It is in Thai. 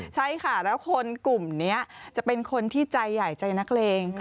ใช่ค่ะแล้วคนกลุ่มนี้จะเป็นคนที่ใจใหญ่ใจนักเลง